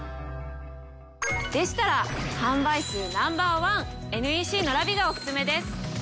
でしたら販売数Ｎｏ．１ＮＥＣのＬＡＶＩＥがお薦めです！